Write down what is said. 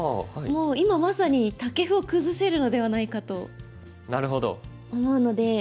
もう今まさにタケフを崩せるのではないかと思うので。